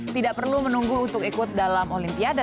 tidak perlu menunggu untuk ikut dalam olimpiade